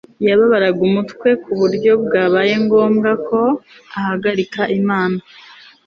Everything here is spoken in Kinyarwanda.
yababara umutwe ku buryo byabaye ngombwa ko ahagarika inama